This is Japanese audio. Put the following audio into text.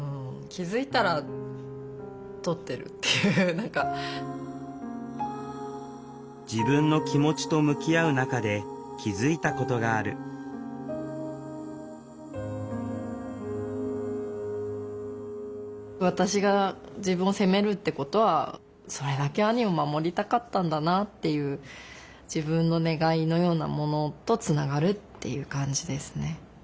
本当にこう自分の気持ちと向き合う中で気付いたことがある私が自分を責めるってことはそれだけ兄を守りたかったんだなっていう自分の願いのようなものとつながるっていう感じですね。